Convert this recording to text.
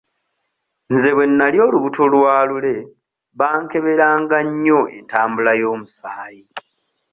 Nze bwe nali olubuto lwa Lule bankeberanga nnyo entambula y'omusaayi.